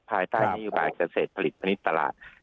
ภายใต้นโยบายเกษตรผลิตตลาด